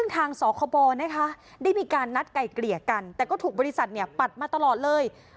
ทางสคบนะคะได้มีการนัดไกลเกลี่ยกันแต่ก็ถูกบริษัทปัดมาตลอดเลย